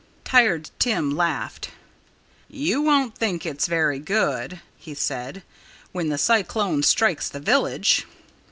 Tired Tim laughed. "You won't think it's very 'good,'" he said, "when the cyclone strikes the village."